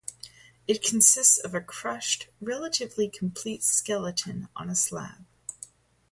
It consists of a crushed, relatively complete skeleton on a slab.